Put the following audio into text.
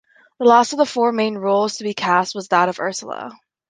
The last of the four main roles to be cast was that of Ursula.